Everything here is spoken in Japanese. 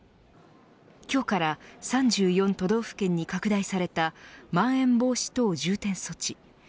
今日から３４都道府県に拡大されたまん延防止等重点措置。